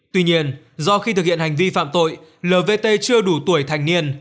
tuy nhiên do khi thực hiện hành vi phạm tội lvt chưa đủ tuổi thành niên